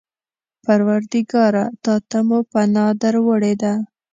پروردګاره! تا ته مو پناه در وړې ده.